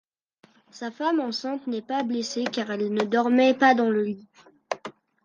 Sa femme enceinte n'est pas blessée car elle ne dormait pas dans le lit.